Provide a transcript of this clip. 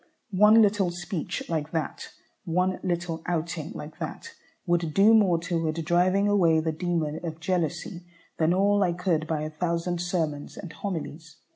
One little speech like that, one little outing like that, would do more toward driving away the demon of jealousy than all I could by a thousand sermons and homilies.